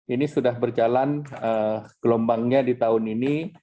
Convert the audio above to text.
ini sudah berjalan gelombangnya di tahun ini